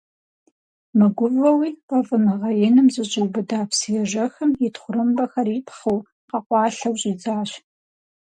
Мыгувэуи фӀэфӀыныгъэ иным зэщӀиубыда псыежэхым, и тхъурымбэхэр ипхъыу, къэкъуалъэу щӀидзащ.